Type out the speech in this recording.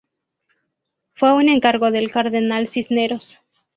Fue un encargo del cardenal Cisneros.